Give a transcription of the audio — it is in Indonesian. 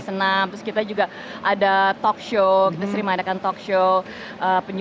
tetap di good morning